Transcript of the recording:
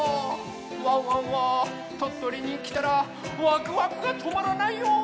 ワンワンはとっとりにきたらワクワクがとまらないよ！